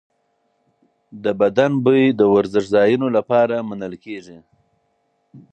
د بدن بوی د ورزشځایونو لپاره منل کېږي.